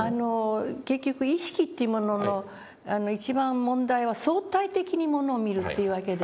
結局意識っていうものの一番問題は相対的にものを見るっていうわけですね。